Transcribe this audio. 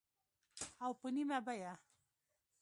او په نیمه بیه